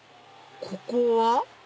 ここは？